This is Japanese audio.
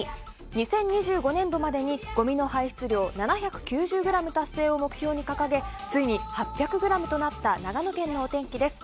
２０２５年度までにごみの排出量７９０ｇ達成を目標に掲げついに８００ｇとなった長野県のお天気です。